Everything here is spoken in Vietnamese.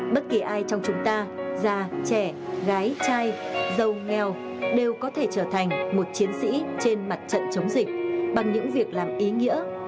bất kỳ ai trong chúng ta già trẻ gái trai dâu nghèo đều có thể trở thành một chiến sĩ trên mặt trận chống dịch bằng những việc làm ý nghĩa